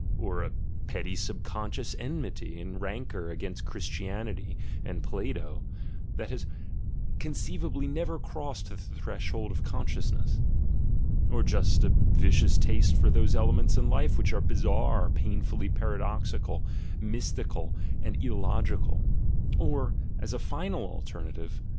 or a petty subconscious enmity and rancour against Christianity (and Plato), that has conceivably never crossed the vshold of consciousness? or just a vicious taste for se elements of life which are bizarre, painfully para doxical, mystical, and illogical? or, as a final alternative.